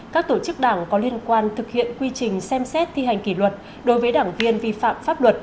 các tổ chức đảng có liên quan thực hiện quy trình xem xét thi hành kỷ luật đối với đảng viên vi phạm pháp luật